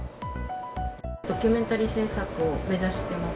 ドキュメンタリー製作を目指しています。